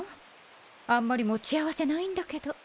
あんまり持ち合わせないんだけど。